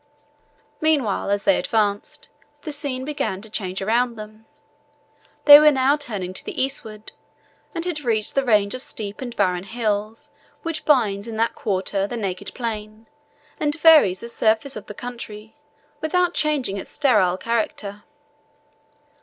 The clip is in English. Meanwhile, as they advanced, the scene began to change around them. They were now turning to the eastward, and had reached the range of steep and barren hills which binds in that quarter the naked plain, and varies the surface of the country, without changing its sterile character.